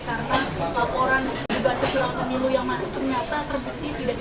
karena laporan juga terjelang pemilu yang masuk ternyata terbukti tidak ditingkatkan juti oleh pihak bapak soe